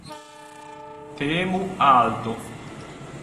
Teemu Aalto